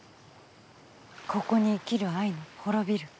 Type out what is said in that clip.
ここに生きるアイヌ滅びる。